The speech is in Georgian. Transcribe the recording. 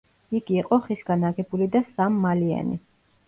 იგი იყო ხისგან აგებული და სამმალიანი.